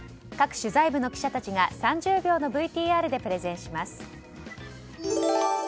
各取材部の記者たちが３０秒のＶＴＲでプレゼンします。